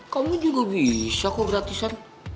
kamu juga bisa kok gratisan